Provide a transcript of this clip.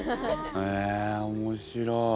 へえ面白い。